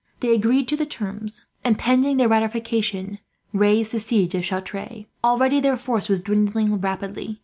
They agreed to the terms and, pending their ratification, raised the siege of Chartres. Already their force was dwindling rapidly.